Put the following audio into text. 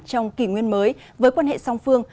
trong kỷ nguyên mới với quan hệ song phương